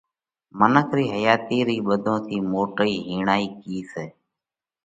منک رِي حياتِي رئِي ٻڌون ٿِي موٽئِي هِيڻائِي ڪِي سئہ؟